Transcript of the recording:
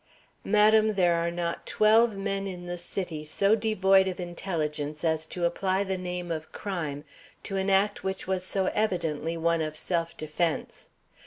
"Madam, there are not twelve men in the city so devoid of intelligence as to apply the name of crime to an act which was so evidently one of self defence.